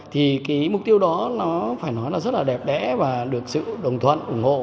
thì cái mục tiêu đó nó phải nói là rất là đẹp đẽ và được sự đồng thuận ủng hộ